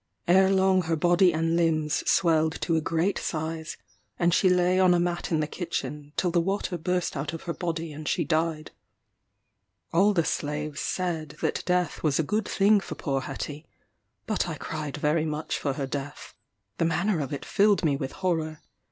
Ere long her body and limbs swelled to a great size; and she lay on a mat in the kitchen, till the water burst out of her body and she died. All the slaves said that death was a good thing for poor Hetty; but I cried very much for her death. The manner of it filled me with horror.